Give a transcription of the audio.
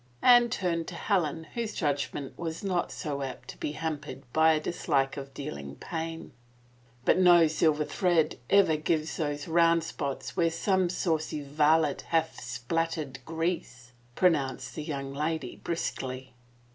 Anne turned to Helen whose judgment was not so apt to be hampered by a dislike of dealing pain. " But no silver thread ever gives those round spots where some saucy varlet hath spattered grease," pro nounced that young lady briskly.